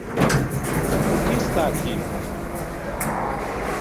O que está aqui?